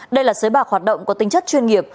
đây là xới bạc hoạt động có tính chất chuyên nghiệp